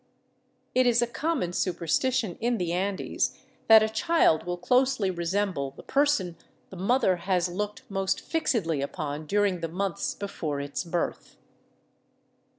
'' It is a common superstition in the Andes that a child will closely resemble the person the mother has looked most fixedly upon during the months before its birth.